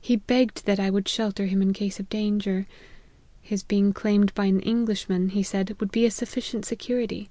He begged that I would shelter him in case of danger ; his being claimed by an Englishman, he said, would be a sufficient security.